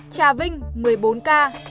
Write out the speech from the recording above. trà vinh một mươi bốn ca